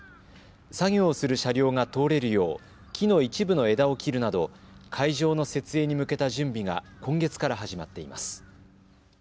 作業をする車両が通れるよう木の一部の枝を切るなど会場の設営に向けた準備が今月から始まっています。